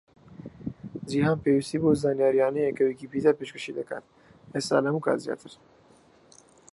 جیهان پێویستی بەو زانیاریانەیە کە ویکیپیدیا پێشکەشی دەکات، ئێستا لە هەموو کات زیاتر.